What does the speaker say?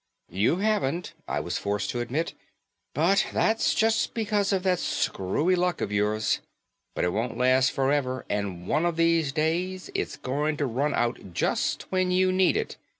"You haven't," I was forced to admit, "but that's just because of that screwy luck of yours. But it won't last forever and one of these days it's going to run out just when you need it.